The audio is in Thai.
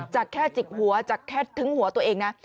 จากแค่จิกหัวจากแค่ทึ้งหัวตัวเองนะ